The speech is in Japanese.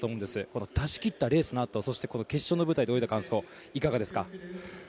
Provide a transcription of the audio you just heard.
この出し切ったレースのあとそしてこの決勝の舞台で泳いだ感想いかがですか？